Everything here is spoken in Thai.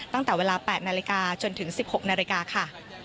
ตั้งแต่เวลา๘นาฬิกาจนถึง๑๖นาฬิกาค่ะ